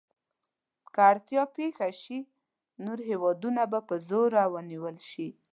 که اړتیا پېښه شي نور هېوادونه په زوره ونیول شي.